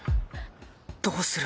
どうする？